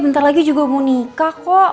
bentar lagi juga mau nikah kok